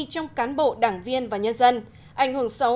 trong cán bộ đảng viên và nhân dân ảnh hưởng xấu